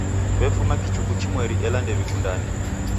W'efuma kichuku chimweri ela ndew'ikundane.